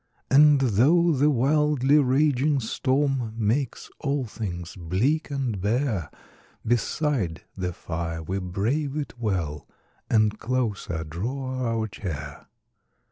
And, though the wildly raging storm Makes all things bleak and bare, Beside the fire we brave it well, And closer draw our chair.